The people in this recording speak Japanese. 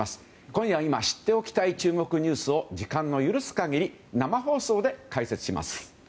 今夜、今知っておきたい注目ニュースを時間の許す限り生放送で解説します。